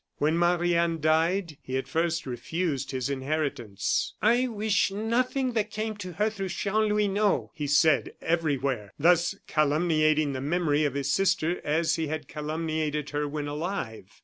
When Marie Anne died, he at first refused his inheritance. "I wish nothing that came to her through Chanlouineau!" he said everywhere, thus calumniating the memory of his sister as he had calumniated her when alive.